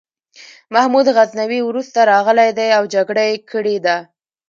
محمود غزنوي وروسته راغلی دی او جګړه یې کړې ده.